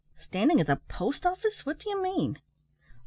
"Standing at the post office! What do you mean?"